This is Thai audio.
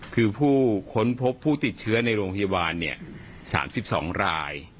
คือผู้ค้นพบผู้ติดเชื้อในโรงพยาบาล๓๒ราย